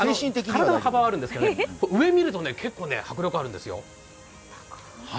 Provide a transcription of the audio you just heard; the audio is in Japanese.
体の幅もあるんですが上見ると、結構迫力あるんですよ。